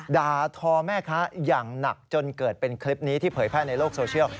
ด่าทอแม่ค้าอย่างหนักจนเกิดเป็นคลิปนี้ที่เผยแพร่ในโลกโซเชียล